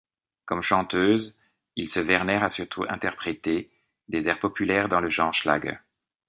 Comme chanteuse, Ilse Werner a surtout interprété des airs populaires dans le genre schlager.